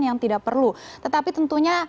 yang tidak perlu tetapi tentunya